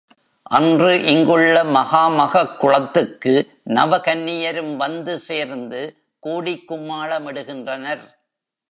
அன்று இங்குள்ள மகாமகக் குளத்துக்கு நவ கன்னியரும் வந்து சேர்ந்து கூடிக் கும்மாள மிடுகின்றனர்.